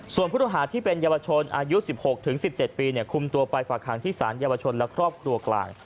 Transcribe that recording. ส่วนผู้ต้องหาที่เป็นเยาวชนอายุ๑๖๑๗ปีคุมตัวไปฝากหางที่สารเยาวชนและครอบครัวกลาง